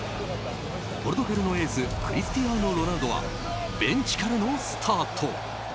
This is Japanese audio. ポルトガルのエースクリスティアーノ・ロナウドはベンチからのスタート。